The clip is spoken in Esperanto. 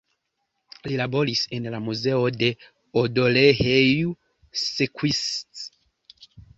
Li laboris en la Muzeo de Odorheiu Secuiesc.